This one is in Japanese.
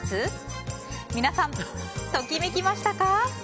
皆さん、ときめきましたか？